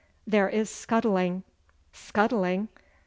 'There is scuttling.' 'Scuttling?